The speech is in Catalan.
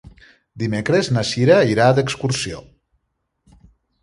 Dimecres na Cira irà d'excursió.